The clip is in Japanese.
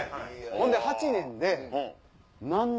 ほんで８年で。